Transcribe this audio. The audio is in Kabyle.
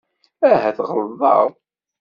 Ahat ɣelḍeɣ.